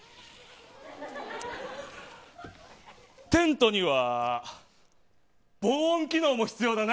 テントには防音機能も必要だね。